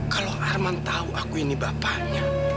kalau arman tahu aku ini bapaknya